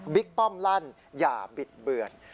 ป้อมลั่นอย่าบิดเบือน